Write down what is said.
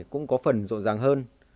cũng có phần rộn ràng hơn